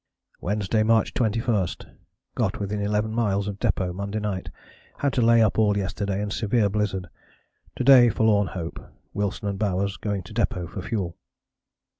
"Wednesday, March 21. Got within 11 miles of depôt Monday night; had to lay up all yesterday in severe blizzard. To day forlorn hope, Wilson and Bowers going to depôt for fuel."